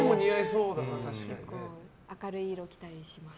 明るい色を着たりします。